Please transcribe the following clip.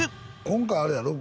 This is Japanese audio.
今回あれやろ？